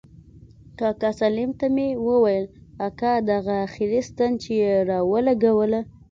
کاکا سالم ته مې وويل اكا دغه اخري ستن چې يې راولګوله.